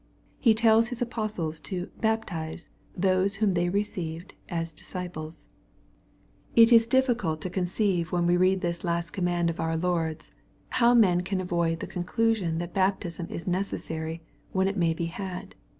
He tells His apostles to " baptize'' those whom they received as disciples. 18 410 SXPOSITOBT THOtTGHTS. It is very difficult to conceive when we read this last ix>mmand of our Lord's, how men can avoid the conclu ' sion that baptism is necessary, when it may be had.